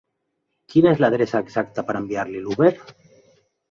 Quina és la adreça exacta per enviar-li l'Uber?